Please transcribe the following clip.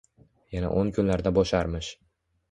Yana o‘n kunlarda bo‘sharmish.